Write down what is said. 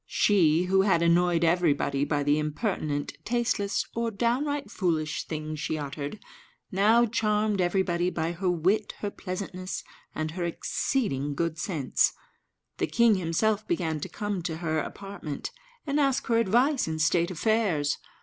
She, who had annoyed everybody by the impertinent, tasteless, or downright foolish things she uttered, now charmed everybody by her wit, her pleasantness, and her exceeding good sense. The king himself began to come to her apartment, and ask her advice in state affairs.